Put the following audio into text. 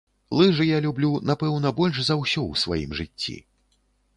Лыжы я люблю, напэўна, больш за ўсё ў сваім жыцці.